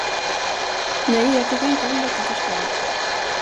Nej, jag tycker inte om detta förslag.